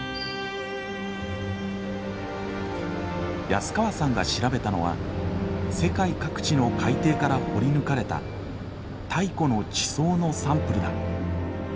安川さんが調べたのは世界各地の海底から掘り抜かれた太古の地層のサンプルだ。